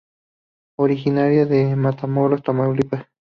Originaria de Matamoros, Tamaulipas.